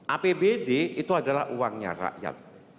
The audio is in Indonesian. apbd itu adalah uangnya rakyat